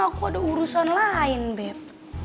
aku ada urusan lain bip